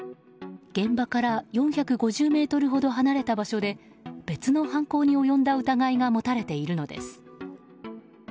現場から４５０ｍほど離れた場所で別の犯行に及んだ疑いが持たれています。